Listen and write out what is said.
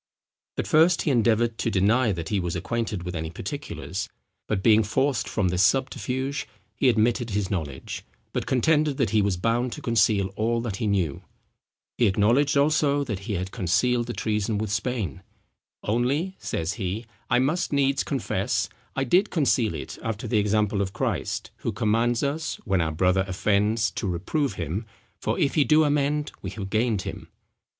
At first he endeavoured to deny that he was acquainted with any particulars; but being forced from this subterfuge, he admitted his knowledge, but contended that he was bound to conceal all that he knew. He acknowledged also that he had concealed the treason with Spain. "Only," says he, "I must needs confess, I did conceal it after the example of Christ, who commands us, when our brother offends to reprove him, for if he do amend we have gained him."